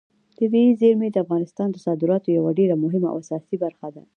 طبیعي زیرمې د افغانستان د صادراتو یوه ډېره مهمه او اساسي برخه ده.